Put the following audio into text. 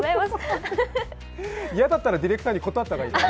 嫌だったらディレクターに断った方がいいよ。